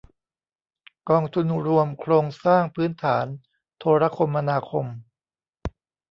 กองทุนรวมโครงสร้างพื้นฐานโทรคมนาคม